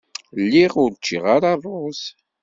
Lliɣ ur ččiɣ ara rruẓ.